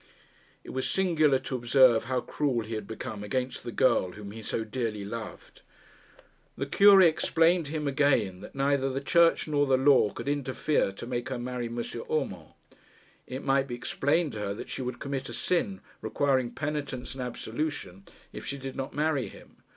It was singular to observe how cruel he had become against the girl whom he so dearly loved. The Cure explained to him again that neither the Church nor the law could interfere to make her marry M. Urmand. It might be explained to her that she would commit a sin requiring penitence and absolution if she did not marry him.